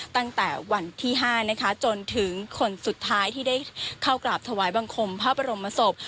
ตั้งแต่วันที่๕นะคะจนถึงคนสุดท้ายที่ได้เข้ากราบถวายบังคมพระบรมศพ